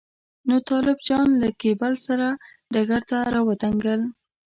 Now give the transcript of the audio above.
نو طالب جان له کېبل سره ډګر ته راودانګل.